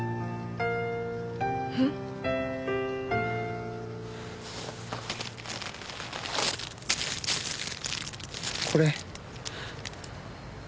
えっ？これ。